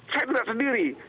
saya tidak sendiri